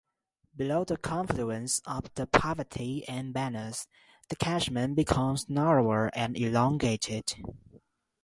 Below the confluence of the Parvathi and Banas, the catchment becomes narrower and elongated.